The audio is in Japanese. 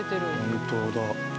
本当だ。